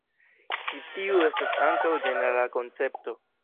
Ĉi tiu estas ankaŭ ĝenerala koncepto.